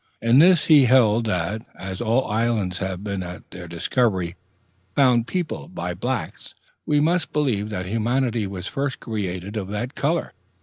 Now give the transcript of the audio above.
In this he held that, as all islands have been at their discovery found peopled by blacks, we must needs believe that humanity was first created of that color.